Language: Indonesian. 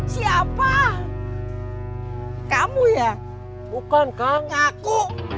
sampai ke ujung dunia pun